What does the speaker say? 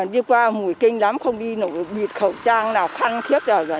đi qua mùi kinh lắm không đi nổi bịt khẩu trang nào khăn thiếc nào